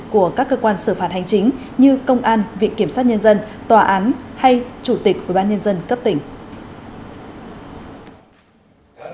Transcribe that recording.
của các cơ quan xử phạt hành chính như công an viện kiểm soát nhân dân tòa án hay chủ tịch ủy ban nhân dân cấp tỉnh